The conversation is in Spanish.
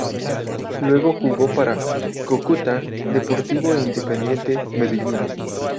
Luego jugó por Cúcuta Deportivo e Independiente Medellín.